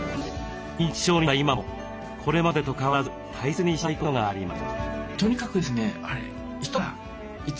認知症になった今もこれまでと変わらず大切にしたいことがあります。